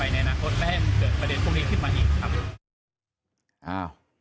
หาว